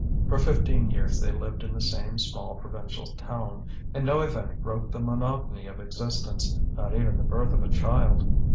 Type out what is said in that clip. For fifteen years they lived in the same small provincial town, and no event broke the monotony of existence, not even the birth of a child.